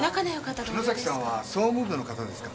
城崎さんは総務部の方ですか？